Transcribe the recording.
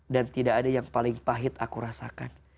dan tidak ada yang paling pahit aku merasakan